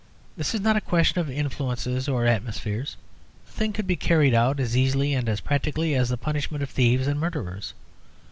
This is not a question of influences or atmospheres; the thing could be carried out as easily and as practically as the punishment of thieves and murderers.